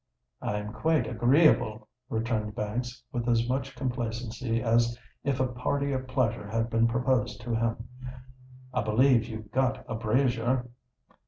"I'm quite agreeable," returned Banks, with as much complacency as if a party of pleasure had been proposed to him. "I b'lieve you've got a brazier."